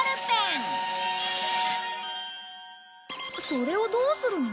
それをどうするの？